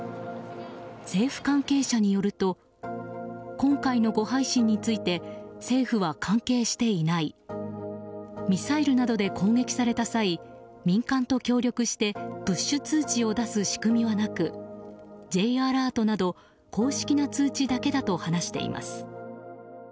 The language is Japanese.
政府関係者によると今回の誤配信について政府は関係していないミサイルなどで攻撃された際民間と協力してプッシュ通知を出す仕組みはなくＪアラートなど公式な通知だけだと話しています。